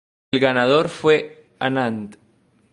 El ganador fue Anand.